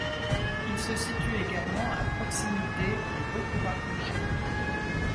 Il se situe également à proximité de Gokurakuji.